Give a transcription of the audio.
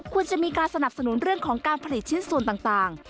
ควรจะมีการสนับสนุนเรื่องของการผลิตชิ้นส่วนต่าง